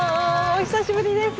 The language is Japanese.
お久しぶりです。